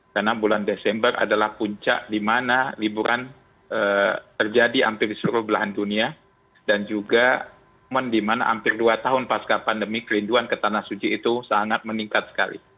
karena bulan desember adalah puncak di mana liburan terjadi hampir di seluruh belahan dunia dan juga di mana hampir dua tahun pasca pandemi kerinduan ke tanah suji itu sangat meningkat sekali